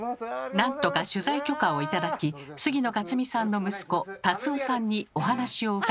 何とか取材許可を頂き杉野勝見さんの息子龍夫さんにお話を伺うことに。